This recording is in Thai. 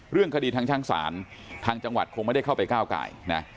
เรื่องคดีทางชั้นศาลทางจังหวัดคงไม่ได้เข้าไปก้าวไก่นะ